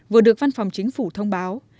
vừa được văn phòng chính phủ thông báo